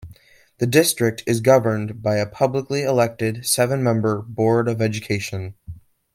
The District is governed by a publicly elected seven-member Board of Education.